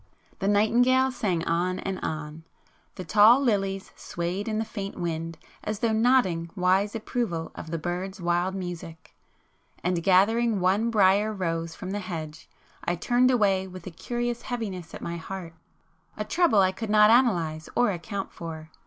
The nightingale sang on and on,—the tall lilies swayed in the faint wind as though nodding wise approval of the bird's wild music,—and, gathering one briar rose from the hedge, I turned away with a curious heaviness at my heart,—a trouble I could not analyse or account for.